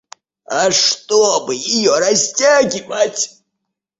А чтобы её растягивать.